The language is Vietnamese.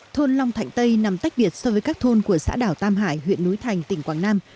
thôn long thạnh tây nằm tách biệt so với các thôn của xã đảo tam hải huyện núi thành tỉnh quảng nam